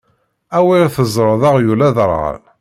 Awer teẓreḍ aɣyul aderɣal!